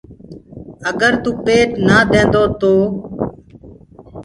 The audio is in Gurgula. اگر توُ پيٽ نآ دينٚدو تو